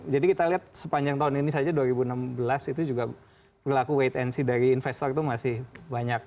jadi kita lihat sepanjang tahun ini saja dua ribu enam belas itu juga berlaku wait and see dari investor itu masih banyak